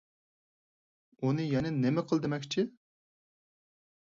ئۇنى يەنە نېمە قىل دېمەكچى؟